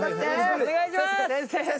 お願いします！